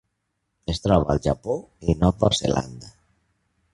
Es troba al Japó i Nova Zelanda.